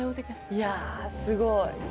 いやすごい。